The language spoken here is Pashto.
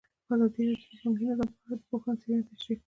ازادي راډیو د بانکي نظام په اړه د پوهانو څېړنې تشریح کړې.